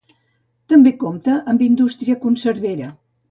També compta amb indústria conservera.